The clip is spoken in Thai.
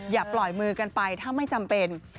อย่าปล่อยมือกันไปถ้าไม่จำเป็น